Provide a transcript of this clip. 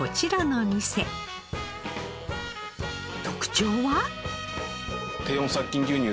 特徴は？